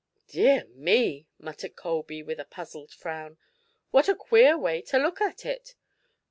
"Dear me!" muttered Colby, with a puzzled frown. "What a queer way to look at it.